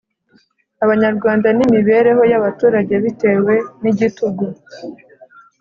Abanyarwanda n imibereho y abaturage Bitewe n igitugu